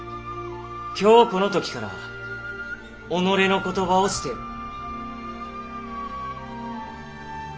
今日この時から「己のことばを捨てよ」。